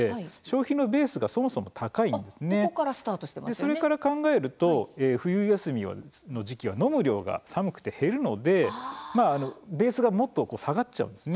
それから考えると冬休みの時期は飲む量が寒くて減るので、ベースがもっと下がっちゃうんです。